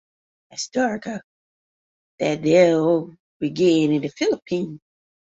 Astorga was originally from Philippines.